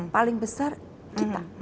paling besar kita